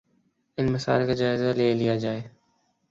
ان مسائل کا جائزہ لے لیا جائے